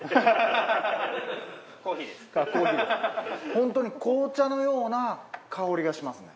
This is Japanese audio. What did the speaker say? ホントに紅茶のような香りがしますね。